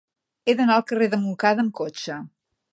He d'anar al carrer de Montcada amb cotxe.